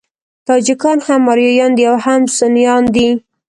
تاجکان هم آریایان دي او هم سنيان دي.